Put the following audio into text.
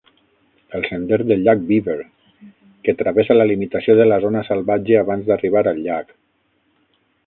El sender del llac Beaver, que travessa la limitació de la zona salvatge abans d'arribar al llac.